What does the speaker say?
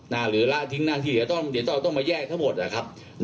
น่าหรือล่าทิ้งหน้าที่เดี๋ยวต้องเดี๋ยวต้องมาแยกทั้งหมดอ่ะครับ